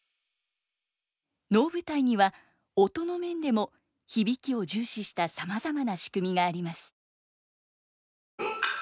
能舞台には音の面でも響きを重視したさまざまな仕組みがあります。